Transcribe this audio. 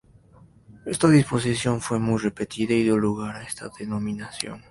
Esta disposición fue muy repetida y dio lugar a esta denominación.